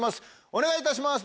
お願いいたします